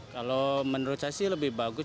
kalau menurut saya sih lebih bagus